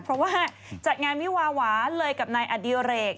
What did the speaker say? เพราะว่าจัดงานวิวาเลยกับนายอดิเรก